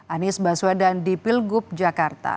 anies baswedan di pilgub jakarta